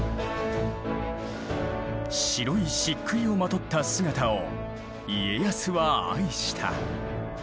白い漆喰をまとった姿を家康は愛した。